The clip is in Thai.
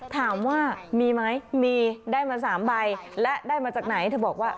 ถามว่ามีไหมมีได้มา๓ใบและได้มาจากไหนเธอบอกว่า